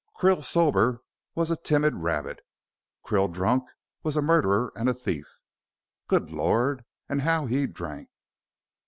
Krill sober was a timid rabbit; Krill drunk was a murderer and a thief. Good lord, and how he drank!"